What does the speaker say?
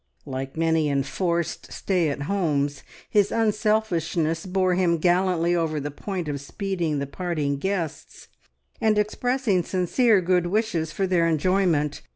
Like many enforced stay at homes, his unselfishness bore him gallantly over the point of speeding the parting guests, and expressing sincere good wishes for their enjoyment.